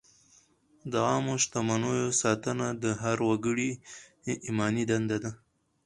د عامه شتمنیو ساتنه د هر وګړي ایماني دنده ده.